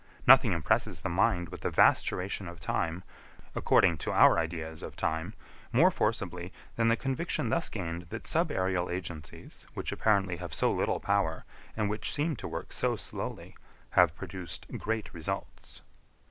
Nothing impresses the mind with the vast duration of time, according to our ideas of time, more forcibly than the conviction thus gained that subaërial agencies, which apparently have so little power, and which seem to work so slowly, have produced great results.